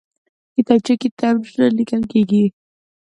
کتابچه کې تمرینونه لیکل کېږي